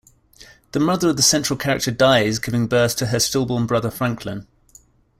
The mother of the central character dies giving birth to her stillborn brother Franklin.